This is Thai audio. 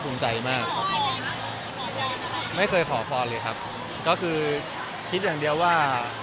ภูมิใจมากไม่เคยขอพรเลยครับก็คือคิดอย่างเดียวว่า